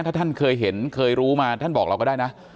ถ้าท่านเคยเห็นเคยรู้มาท่านบอกเราก็ได้นะ